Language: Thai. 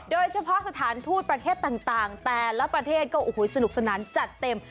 สถานทูตประเทศต่างแต่ละประเทศก็โอ้โหสนุกสนานจัดเต็ม